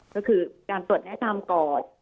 ก็คือการตรวจแนะนำก่อน